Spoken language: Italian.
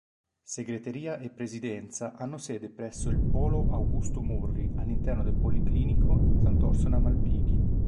Segreteria e Presidenza hanno sede presso il polo "Augusto Murri" all'interno del Policlinico Sant'Orsola-Malpighi.